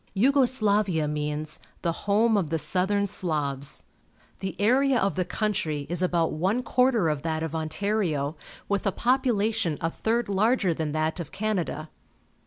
Yugo Slavia means "the home of the south ern Slavs". The area of the country is about one quarter of that of Ontario, with a population a third larger than that of Canada.